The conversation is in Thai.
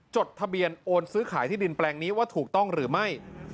จดทะเบียนโอนซื้อขายที่ดินแปลงนี้ว่าถูกต้องหรือไม่